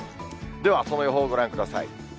ではあすの予報をご覧ください。